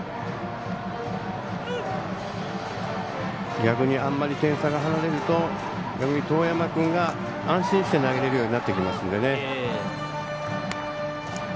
逆にあんまり点差が離れると當山君が安心して投げれるようになってきますのでね。